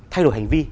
thay đổi hành vi